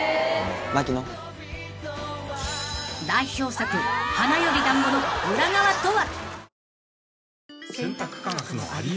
［代表作『花より男子』の裏側とは？］